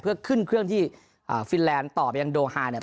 เพื่อขึ้นเครื่องที่ฟินแลนด์ต่อไปยังโดฮาเนี่ย